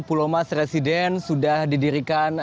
pulau mas residen sudah didirikan